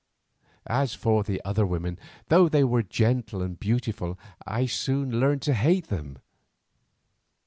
As for the other women, though they were gentle and beautiful, I soon learned to hate them.